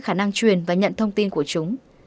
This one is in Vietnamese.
khả năng truyền và nhận thông tin của chúng